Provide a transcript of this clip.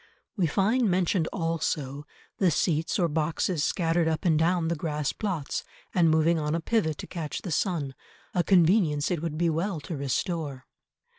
We find mentioned also the seats or boxes scattered up and down the grass plots, and moving on a pivot to catch the sun, a convenience it would be well to restore.